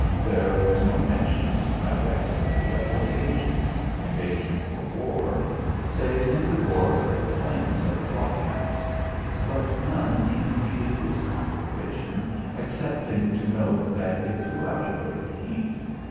There was no mention, directly, of invasion invasion for war save in the roar of the flames at the blockhouse; but none even heeded this conflagration, excepting to note that it threw out a great heat.